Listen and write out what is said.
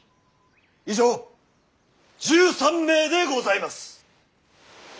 以上１３名でございます。